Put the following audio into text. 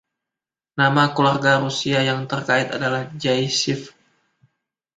Nama keluarga Rusia yang terkait adalah Zaytsev.